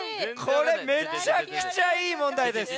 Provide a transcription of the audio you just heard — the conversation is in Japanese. これめちゃくちゃいいもんだいです。